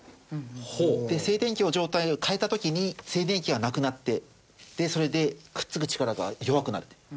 で静電気の状態を変えた時に静電気がなくなってそれでくっつく力が弱くなるという。